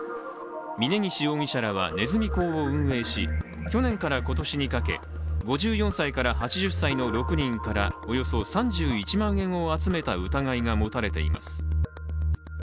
峯岸容疑者らは、ネズミ講を運営し去年から今年にかけ５４歳から８０歳の６人からおよそ３１万円を集めた疑いが持たれています。